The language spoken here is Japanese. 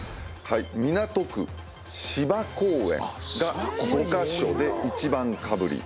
港区芝公園が５カ所で１番かぶり。